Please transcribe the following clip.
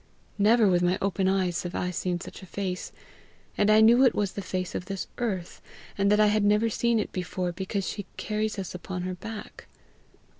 Never with my open eyes have I seen such a face! And I knew it was the face of this earth, and that I had never seen it before because she carries us upon her back.